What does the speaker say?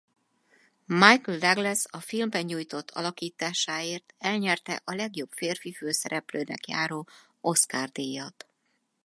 Michael Douglas a filmben nyújtott alakításáért elnyerte a legjobb férfi főszereplőnek járó Oscar-díjat.